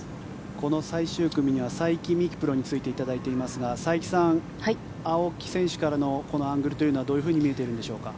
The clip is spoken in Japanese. この最終組には佐伯三貴プロについていただいていますが佐伯さん、青木選手からのアングルというのはどういうふうに見えてるでしょうか？